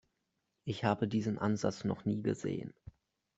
Ich habe diesen Ansatz noch nie gesehen.